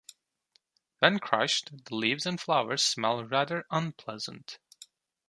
When crushed, the leaves and flowers smell rather unpleasant.